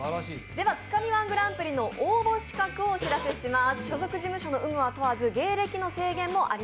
「つかみ−１グランプリ」の応募資格をお知らせします。